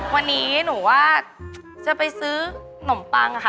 วันนี้หนูว่าจะไปซื้อนมปังค่ะ